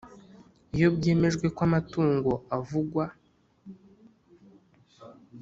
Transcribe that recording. Iyo byemejwe ko amatungo avugwa